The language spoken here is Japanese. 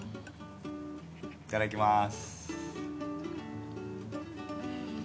いただきます。